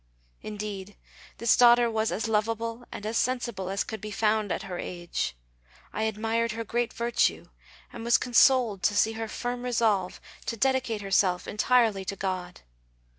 Indeed, this daughter was as lovable and as sensible as could be found at her age. I admired her great virtue and was consoled to see her firm resolve to dedicate herself entirely to God.